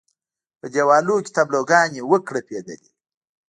په دېوالونو کې تابلو ګانې وکړپېدلې.